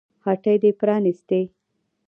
هټۍ دې پرانيستې